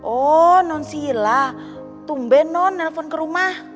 oh non sila tumben non nelfon ke rumah